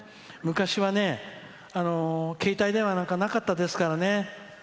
昔はね、携帯電話なんかなかったですからね。